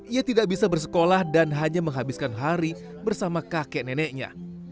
ia tidak bisa bersekolah dan hanya menghabiskan hari bersama kakek neneknya